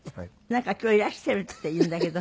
なんか今日いらしているっていうんだけど。